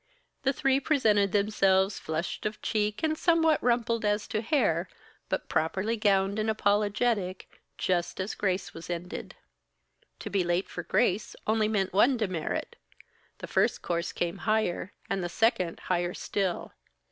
The three presented themselves flushed of cheek and somewhat rumpled as to hair, but properly gowned and apologetic, just as grace was ended. To be late for grace only meant one demerit; the first course came higher, and the second higher still.